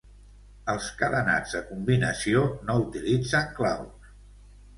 Els cadenats de combinació no utilitzen claus.